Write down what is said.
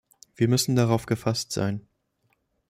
Wir müssen darauf gefasst sein.